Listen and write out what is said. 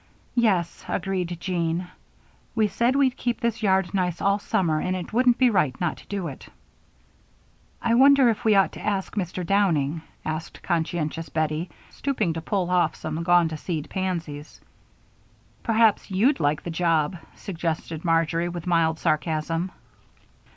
"Yes," agreed Jean. "We said we'd keep this yard nice all summer, and it wouldn't be right not to do it." "I wonder if we ought to ask Mr. Downing?" asked conscientious Bettie, stooping to pull off some gone to seed pansies. "Perhaps you'd like the job!" suggested Marjory, with mild sarcasm.